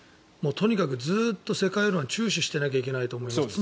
とにかくずっと世界は注視していかないといけないと思います。